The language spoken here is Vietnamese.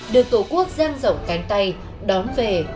được tổ quốc giam rộng cánh tay đón về